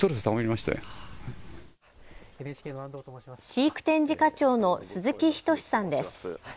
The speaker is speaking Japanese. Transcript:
飼育展示課長の鈴木仁さんです。